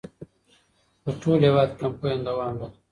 په ټول هېواد کې کمپاین دوام لري.